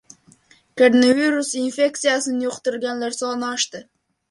Koronavirus infeksiyasini yuqtirganlar soni oshdi